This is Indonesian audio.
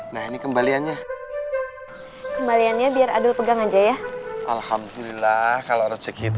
nah ini kembaliannya kembaliannya biar adul pegang aja ya alhamdulillah kalau rezeki